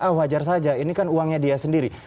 oh wajar saja ini kan uangnya dia sendiri